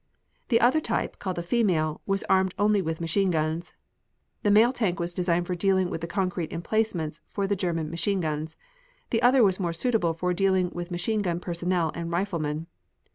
The other type, called the female, was armed only with machine guns. The male tank was designed for dealing with the concrete emplacements for the German machine guns. The other was more suitable for dealing with machine gun personnel and riflemen.